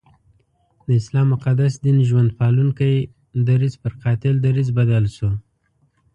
د اسلام مقدس دین ژوند پالونکی درځ پر قاتل دریځ بدل شو.